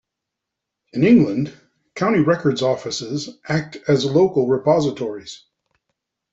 In England, County Record Offices act as local repositories.